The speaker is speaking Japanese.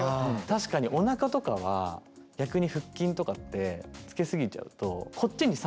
確かにおなかとかは逆に腹筋とかってつけすぎちゃうとああ！